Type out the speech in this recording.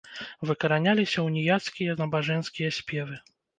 Выкараняліся уніяцкія набажэнскія спевы.